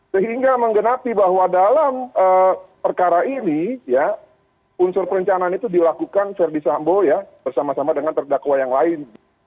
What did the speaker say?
sehingga menggenapi bahwa dalam perkara ini ya unsur perencanaan itu dilakukan verdi sambo ya bersama sama dengan terdakwa yang lain